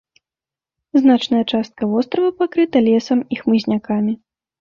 Значная частка вострава пакрыта лесам і хмызнякамі.